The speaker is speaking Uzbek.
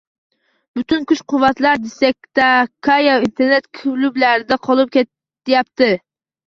Butun kuch-quvvatlari diskotekayu internet klublarida qolib ketyapti.